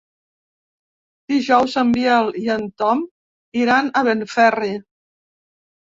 Dijous en Biel i en Tom iran a Benferri.